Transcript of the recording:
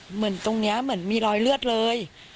เหมือนตรงนี้เหมือนมีรอยเลือดเลย